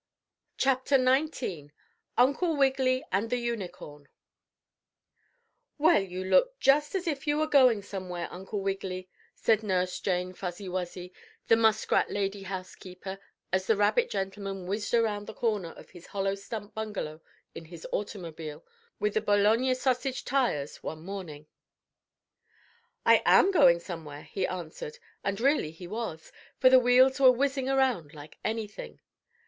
CHAPTER XIX UNCLE WIGGILY AND THE UNICORN "Well, you look just as if you were going somewhere, Uncle Wiggily," said Nurse Jane Fuzzy Wuzzy, the muskrat lady housekeeper, as the rabbit gentleman whizzed around the corner of his hollow stump bungalow in his automobile, with the bologna sausage tires, one morning. "I am going somewhere," he answered, and really he was, for the wheels were whizzing around like anything.